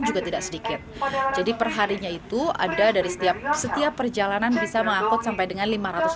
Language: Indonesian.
juga tidak sedikit jadi perharinya itu ada dari setiap perjalanan bisa mengakut sampai dengan lima ratus lima puluh